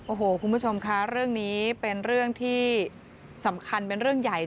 โอ้โหคุณผู้ชมค่ะเรื่องนี้เป็นเรื่องที่สำคัญเป็นเรื่องใหญ่